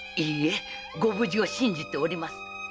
いいえご無事を信じております。